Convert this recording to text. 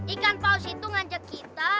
ikan paus itu ngajak kita